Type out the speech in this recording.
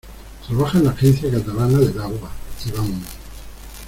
Trabaja en la Agencia Catalana del Agua, Iván.